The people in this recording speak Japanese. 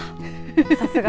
さすが。